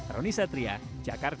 roni satria jakarta